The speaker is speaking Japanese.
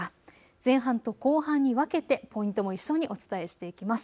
前半と後半に分けてポイントも一緒にお伝えしていきます。